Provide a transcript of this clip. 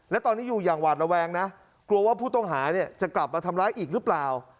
และตอนนี้อยู่อย่างหวาดระแวงนะกลัวว่าผู้ต้องหาเนี่ยจะกลับมาทำร้ายอีกหรือเปล่า